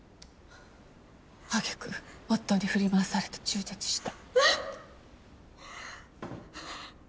挙げ句夫に振り回されて中絶した。